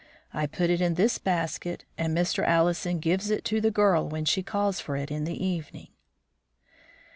I put it in this basket, and Mr. Allison gives it to the girl when she calls for it in the evening."